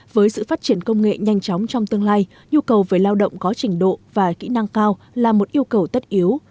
với sự phát triển công nghệ nhanh chóng trong tương lai nhu cầu về lao động có trình độ và kỹ năng cao là một yêu cầu tất yếu